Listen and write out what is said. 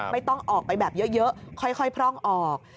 ไม่ต้องออกไปแบบเยอะค่อยพร่องออก